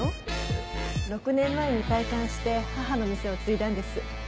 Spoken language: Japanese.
６年前に退官して母の店を継いだんです。